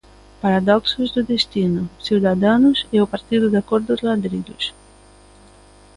Paradoxos do destino, Ciudadanos e o partido da cor dos ladrillos.